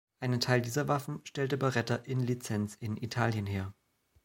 Ein Teil dieser Waffen stellte Beretta in Lizenz in Italien her.